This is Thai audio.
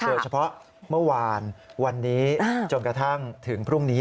เมื่อวานวันนี้จนกระทั่งถึงพรุ่งนี้